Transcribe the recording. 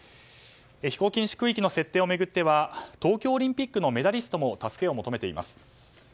飛行禁止区域の設定を巡っては東京オリンピックのメダリストも助けを求めています。